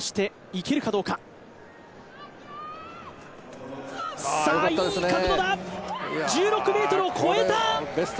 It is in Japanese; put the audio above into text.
いい角度だ、１６ｍを超えた！